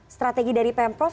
strategi dari pemprov